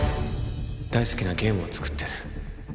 大好きなゲームを作ってる